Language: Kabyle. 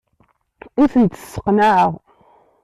Ur tent-sseqnaɛeɣ.